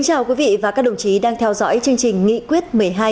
chào mừng quý vị và các đồng chí đang theo dõi chương trình nghị quyết một mươi hai